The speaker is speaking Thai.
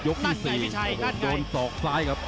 ที่๔โดนศอกซ้ายครับ